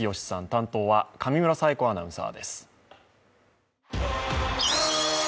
担当は上村彩子アナウンサーです。